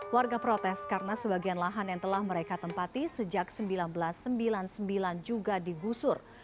warga protes karena sebagian lahan yang telah mereka tempati sejak seribu sembilan ratus sembilan puluh sembilan juga digusur